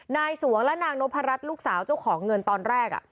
สวงและนางนพรัชลูกสาวเจ้าของเงินตอนแรก